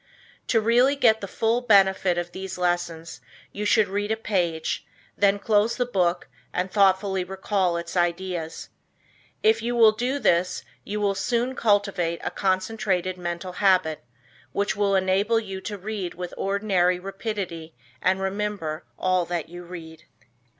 To really get the full benefit of these lessons you should read a page, then close the book and thoughtfully recall its ideas. If you will do this you will soon cultivate a concentrated mental habit, which will enable you to read with ordinary rapidity and remember all that you read.